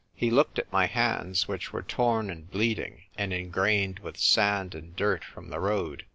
He looked at my hands, which were torn and bleeding, and ingrained with sand and dirt from the road.